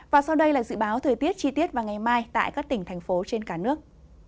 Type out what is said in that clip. và sau đây là dự báo thời tiết chi tiết vào ngày mai tại các tỉnh thành phố trên cả nước